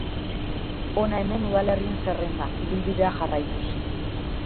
Hona hemen udalerrien zerrenda, ibilbidea jarraituz.